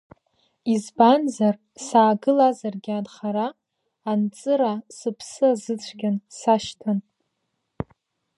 Избанзар, саагылазаргьы анхара, анҵыра сыԥсы азыцәгьан, сашьҭан.